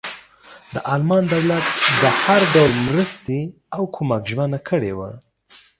د المان دولت د هر ډول مرستې او کمک ژمنه کړې وه.